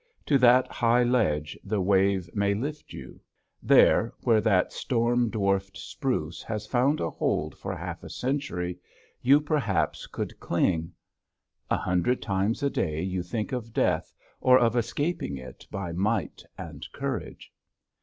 To that high ledge the wave may lift you; there, where that storm dwarfed spruce has found a hold for half a century, you perhaps could cling. A hundred times a day you think of death or of escaping it by might and courage.